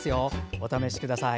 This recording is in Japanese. お試しください。